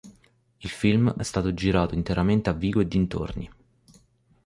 Il film è stato girato interamente a Vigo e dintorni.